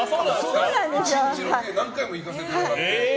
１日ロケ何回も行かせてもらって。